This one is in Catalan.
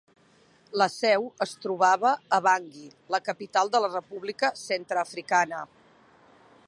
La seu es trobava a Bangui, la capital de la República Centreafricana.